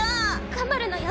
頑張るのよ！